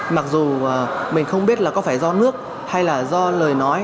mặc dù mình không biết là có phải do nước hay là do lời nói